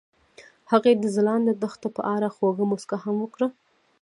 هغې د ځلانده دښته په اړه خوږه موسکا هم وکړه.